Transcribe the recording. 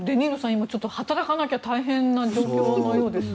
今、働かなきゃ大変な状況のようですね。